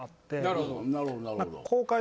なるほどなるほど。